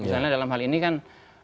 misalnya dalam hal ini kan